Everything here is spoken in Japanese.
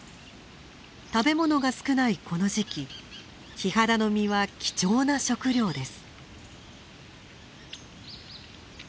食べ物が少ないこの時期キハダの実は貴重な食糧です。